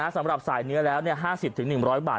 สำหรับสายเนื้อแล้ว๕๐๑๐๐บาท